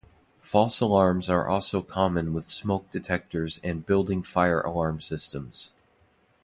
False alarms are also common with smoke detectors and building fire alarm systems.